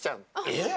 えっ？